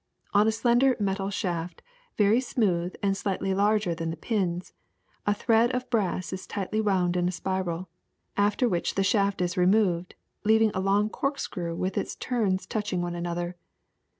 On a slender metal shaft, very smooth and slightly larger than the pins, a thread of brass is tightly wound in a spiral, after which the shaft is removed, leaving a long corkscrew with its turns touching one another.